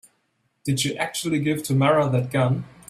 Did you actually give Tamara that gun?